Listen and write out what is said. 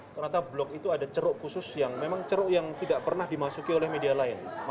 ternyata blok itu ada ceruk khusus yang memang ceruk yang tidak pernah dimasuki oleh media lain